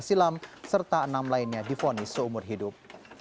dua ribu lima belas silam serta enam lainnya difonis seumur hidup